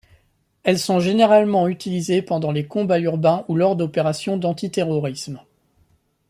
Elles sont généralement utilisées pendant les combats urbains ou lors d’opérations d’antiterrorisme.